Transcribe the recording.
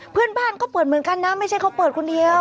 เพื่อนบ้านก็เปิดเหมือนกันนะไม่ใช่เขาเปิดคนเดียว